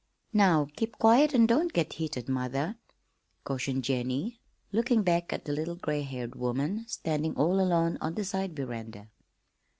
"Now, keep quiet and don't get heated, mother," cautioned Jennie, looking back at the little gray haired woman standing all alone on the side veranda.